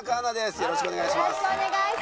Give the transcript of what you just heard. よろしくお願いします！